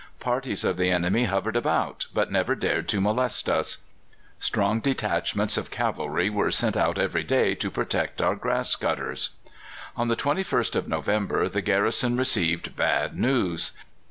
Parties of the enemy hovered about, but never dared to molest us. Strong detachments of cavalry were sent out every day to protect our grass cutters. On the 21st of November the garrison received bad news.